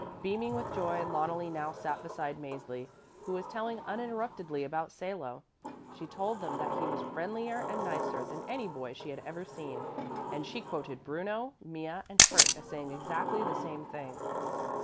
Beaming with joy, Loneli now sat beside Mäzli, who was telling uninterruptedly about Salo. She told them that he was friendlier and nicer than any boy she had ever seen, and she quoted Bruno, Mea and Kurt as saying exactly the same thing.